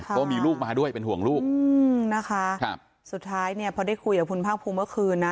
เพราะมีลูกมาด้วยเป็นห่วงลูกนะคะสุดท้ายพอได้คุยกับคุณภาคภูมิเมื่อคืนนะ